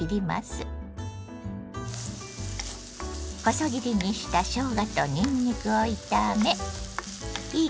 細切りにしたしょうがとにんにくを炒めいい